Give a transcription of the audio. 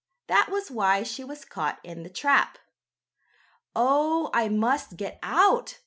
That was why she was caught in the trap. "Oh, I must get out!"